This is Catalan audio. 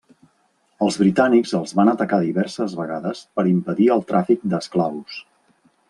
Els britànics els van atacar diverses vegades per impedir el tràfic d'esclaus.